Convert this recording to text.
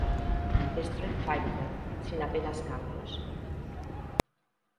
Street Fighter" sin apenas cambios.